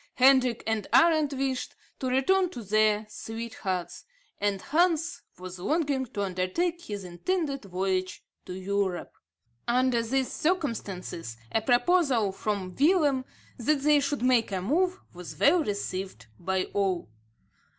Hendrik and Arend wished to return to their sweethearts; and Hans was longing to under take his intended voyage to Europe. Under these circumstances, a proposal from Willem, that they should make a move, was well received by all.